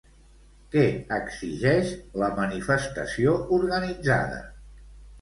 Què exigeix, la manifestació organitzada?